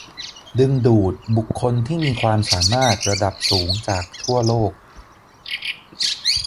ดึงดูดบุคคลที่มีความสามารถระดับสูงจากทั่วโลก